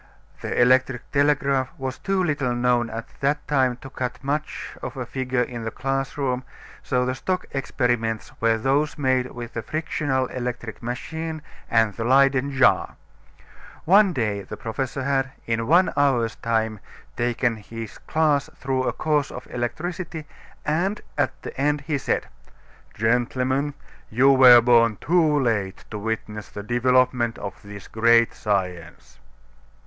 The electric telegraph was too little known at that time to cut much of a figure in the classroom, so the stock experiments were those made with the frictional electric machine and the Leyden jar. One day the professor had, in one hour's time, taken his class through a course of electricity, and at the end he said: "Gentlemen, you were born too late to witness the development of this great science."